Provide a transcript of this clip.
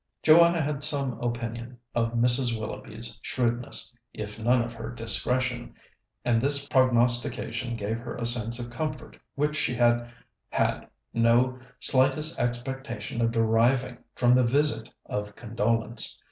Joanna had some opinion of Mrs. Willoughby's shrewdness, if none of her discretion, and this prognostication gave her a sense of comfort which she had had no slightest expectation of deriving from the visit of condolence.